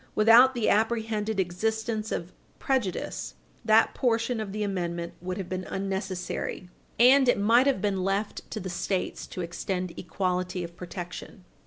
Without the apprehended existence of prejudice, that portion of the amendment would have been unnecessary, and it might have been left to the States to extend equality of protection.